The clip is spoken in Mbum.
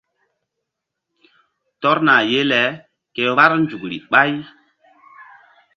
Tɔrna ye le ke vbár nzukri ɓáy.